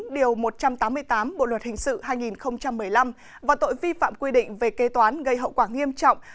điều một trăm tám mươi tám bộ luật hình sự hai nghìn một mươi năm và tội vi phạm quy định về kế toán gây hậu quả nghiêm trọng